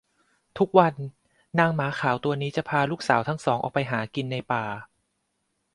ทุกวันนางหมาขาวตัวนี้จะพาลูกสาวทั้งสองออกไปหากินในป่า